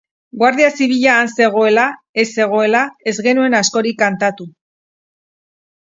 Guardia Zibila han zegoela, ez zegoela... ez genuen askorik kantatu.